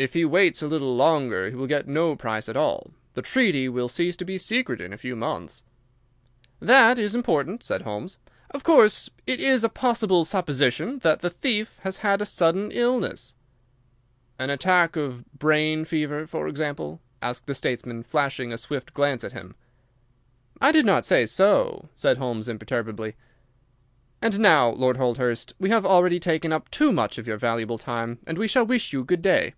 "If he waits a little longer he will get no price at all. The treaty will cease to be secret in a few months." "That is most important," said Holmes. "Of course, it is a possible supposition that the thief has had a sudden illness—" "An attack of brain fever, for example?" asked the statesman, flashing a swift glance at him. "I did not say so," said Holmes, imperturbably. "And now, Lord Holdhurst, we have already taken up too much of your valuable time, and we shall wish you good day."